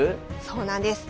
そうなんです。